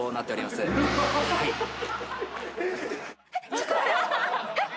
・ちょっと待って。